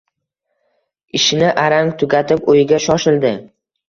Ishini arang tugatib, uyiga shoshildi